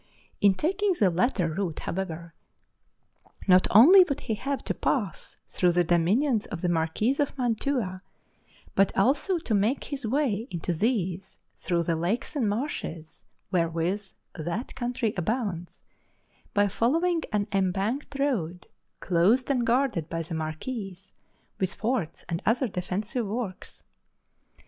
In taking the latter route, however, not only would he have to pass through the dominions of the Marquis of Mantua, but also to make his way into these through the lakes and marshes wherewith that country abounds, by following an embanked road, closed and guarded by the marquis with forts and other defensive works.